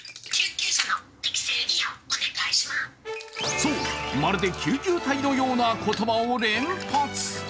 そう、まるで救急隊のような言葉を連発。